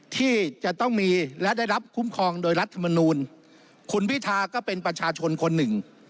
ที่จะต้องมีและได้รับคุ้มครองโดยรัฐมนูลคุณพิธาก็เป็นประชาชนคนหนึ่ง